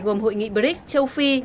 gồm hội nghị brics châu phi